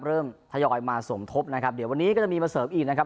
เริ่มทยอยมาส่วนทบนะครับเดี๋ยววันนี้ก็จะมีมาเซิร์ฟอีกนะครับ